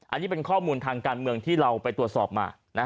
อันนี้เป็นข้อมูลทางการเมืองที่เราไปตรวจสอบมา